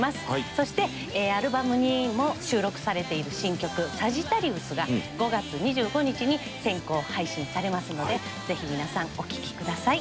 そしてアルバムにも収録されている新曲『サジタリウス』が５月２５日に先行配信されますのでぜひ皆さんお聴きください。